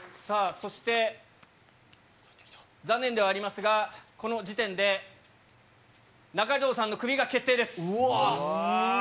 さぁそして残念ではありますがこの時点で中条さんのクビが決定です。